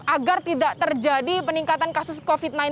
agar tidak terjadi peningkatan kasus covid sembilan belas